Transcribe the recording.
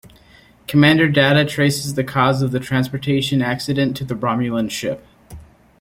Commander Data traces the cause of the transportation accident to the Romulan ship.